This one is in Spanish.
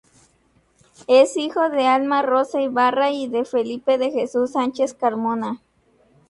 Es hijo de Alma Rosa Ibarra y de Felipe de Jesús Sánchez Carmona.